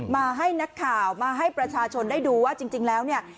มาให้นักข่าวมาให้ประชาชนได้ดูว่าจริงแล้วเนี่ย